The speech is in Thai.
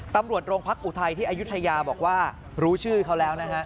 ตำรวจโรงพักอุทัยที่อายุทยาบอกว่ารู้ชื่อเขาแล้วนะฮะ